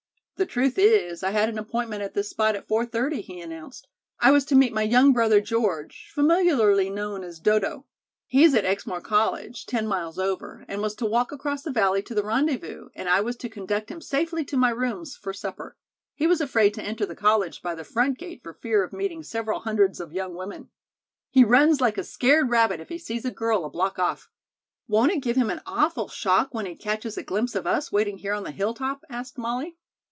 "The truth is, I had an appointment at this spot at four thirty," he announced. "I was to meet my young brother George, familiarly known as 'Dodo.' He's at Exmoor College, ten miles over, and was to walk across the valley to the rendezvous, and I was to conduct him safely to my rooms for supper. He was afraid to enter the college by the front gate for fear of meeting several hundreds of young women. He runs like a scared rabbit if he sees a girl a block off." "Won't it give him an awful shock when he catches a glimpse of us waiting here on the hilltop?" asked Molly.